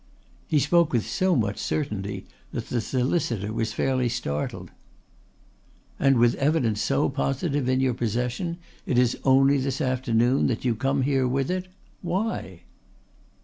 He spoke with so much certainty that the solicitor was fairly startled. "And with evidence so positive in your possession it is only this afternoon that you come here with it! Why?"